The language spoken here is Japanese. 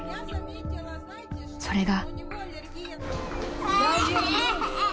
［それが］